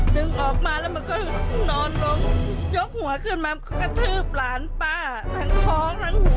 ดึงออกมาแล้วมันก็นอนล้มยกหัวขึ้นมากระทืบหลานป้าทั้งท้องทั้งหัว